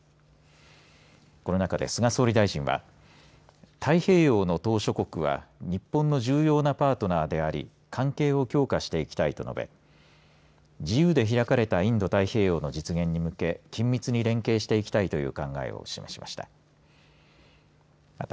この中で菅総理大臣は太平洋の島しょ国は日本の重要なパートナーであり関係を強化していきたいと述べ自由で開かれたインド太平洋の実現に向け緊密に連携していきたいという考えを示しました。